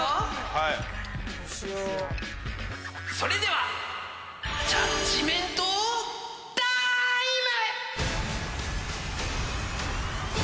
はいそれではジャッジメントターイム！